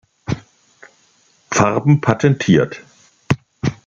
Farben patentiert.